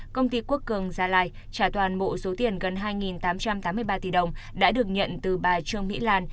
công ty quốc cường gia lai trả toàn bộ số tiền gần hai tám trăm tám mươi ba tỷ đồng đã được nhận từ bà trương mỹ lan